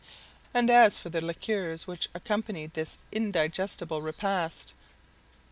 And as for the liquors which accompanied this indigestible repast!